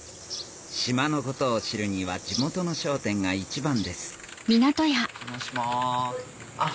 島のことを知るには地元の商店が一番ですお邪魔します。